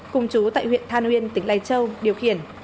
cùng chú tại huyện than uyên tỉnh lai châu điều khiển